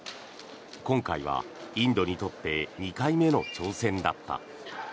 今回はインドにとって２回目の挑戦だった。